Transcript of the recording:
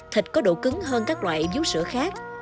thịt có độ cứng hơn các loại vú sữa khác